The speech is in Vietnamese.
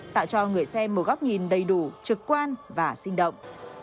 tạo cho người xem một góc nhìn đầy đủ trực quan và sinh động